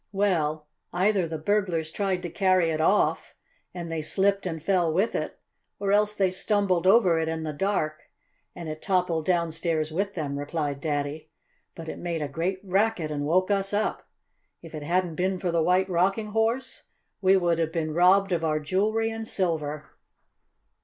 "Well, either the burglars tried to carry it off, and they slipped and fell with it, or else they stumbled over it in the dark, and it toppled downstairs with them," replied Daddy. "But it made a great racket and woke us up. If it hadn't been for the White Rocking Horse we would have been robbed of our jewelry and silver."